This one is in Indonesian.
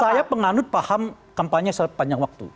saya penganut paham kampanye sepanjang waktu